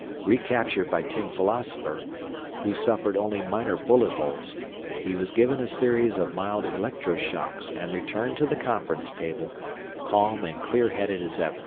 Recaptured by Tin Philosopher, who suffered only minor bullet holes, he was given a series of mild electroshocks and returned to the conference table, calm and clear headed as ever.